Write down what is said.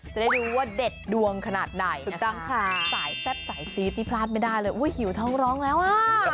จะได้รู้ว่าเด็ดดวงขนาดใดนะคะสายแซ่บสายซีทที่พลาดไม่ได้เลยอุ๊ยหิวเท่าร้องแล้วอ่ะ